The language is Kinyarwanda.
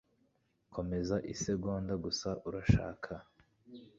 Komeza isegonda gusa, urashaka?